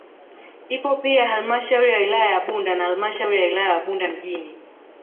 Ipo pia halmashauri ya wilaya ya Bunda na halmashauri ya wilaya ya Bunda mjini